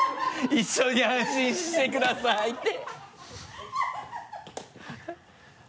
「一緒に安心してください」って